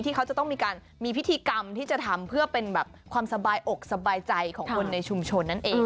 ที่เขาจะต้องมีการมีพิธีกรรมที่จะทำเพื่อเป็นแบบความสบายอกสบายใจของคนในชุมชนนั่นเอง